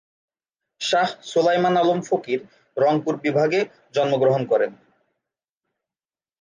শাহ্ সোলায়মান আলম ফকির রংপুর বিভাগ জন্মগ্রহণ করেন।